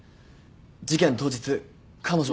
事件当日彼女は。